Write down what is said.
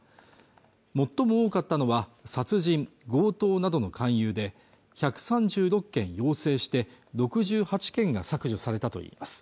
最も多かったのは殺人・強盗などの勧誘で１３６件要請して６８件が削除されたといいます